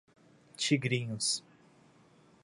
Tigrinhos